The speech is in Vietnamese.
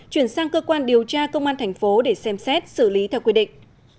chuyển sang cơ quan điều tra công an thành phố để xem xét xử lý theo quy định